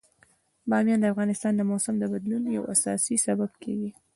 بامیان د افغانستان د موسم د بدلون یو اساسي سبب کېږي.